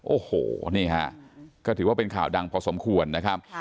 โอ้โหนี่ฮะก็ถือว่าเป็นข่าวดังพอสมควรนะครับ